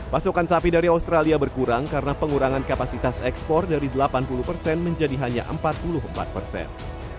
pasokan sapi dari australia berkurang karena pengurangan kapasitas ekspor dari delapan puluh persen menjadi hanya empat puluh empat persen